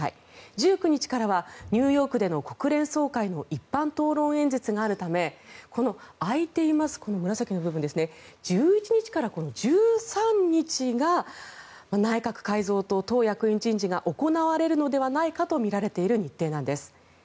１９日からはニューヨークでの国連総会の一般討論演説があるためこの空いている紫の部分１１日から１３日が内閣改造と党役員人事が行われるのではないかとみられている日程なんです。